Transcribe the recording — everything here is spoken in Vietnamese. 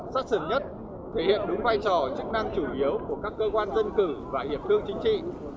sát sườn nhất thể hiện đúng vai trò chức năng chủ yếu của các cơ quan dân cử và hiệp thương chính trị